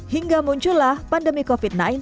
hingga muncullah pandemi covid sembilan belas